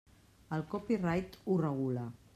El copyright ho regula.